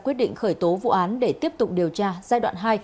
quyết định khởi tố vụ án để tiếp tục điều tra giai đoạn hai